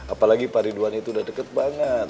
apalagi pari duaan itu udah deket banget